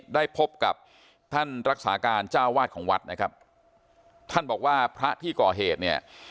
ได้พบกับท่านรักษาการเจ้าวาดของวัดนะครับท่านบอกว่าพระที่ก่อเหตุเนี่ย